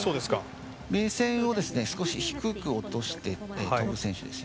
目線を少し低く落として飛ぶ選手ですよね。